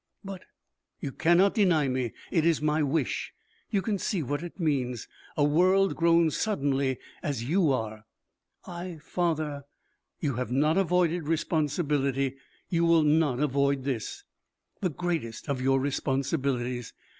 "But " "You cannot deny me. It is my wish. You can see what it means. A world grown suddenly as you are." "I, father " "You have not avoided responsibility. You will not avoid this, the greatest of your responsibilities.